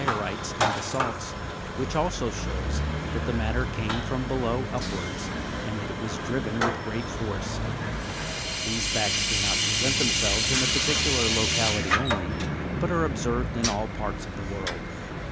173 masses, like the dio rites and basa'lts, which also shows that the matter came from below upwards, and that it was driven with great force. These facts do not present themselves in a particular locality only, but are observed in all parts of the world.